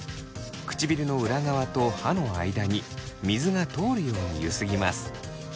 唇の裏側と歯の間に水が通るようにゆすぎます。